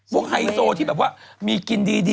พวกไฮโซที่มีกินดี